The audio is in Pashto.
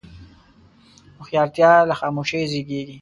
هوښیارتیا له خاموشۍ زیږېږي.